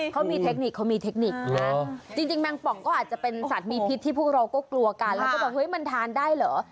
เขามีเทคนิคเขามีเทคนิคนะจริงแมงป่องก็อาจจะเป็นสัตว์มีพิษที่พวกเราก็กลัวกันแล้วก็บอกเฮ้ยมันทานได้เหรอ